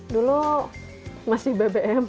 dulu masih bbm